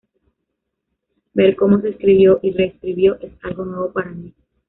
Ver cómo se escribió y re-escribió es algo nuevo para mí.